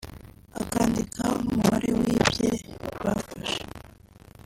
akandikaho n’umubare w’ibye bafashe